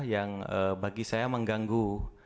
yang bagi saya mengganggu